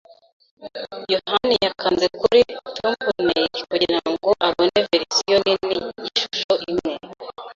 yohani yakanze kuri thumbnail kugirango abone verisiyo nini yishusho imwe.